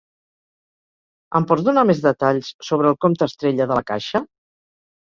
Em pots donar més detalls sobre el compte Estrella de La Caixa?